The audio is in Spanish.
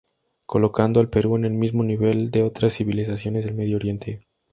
Colocando al Perú en el mismo nivel de otras civilizaciones del medio oriente.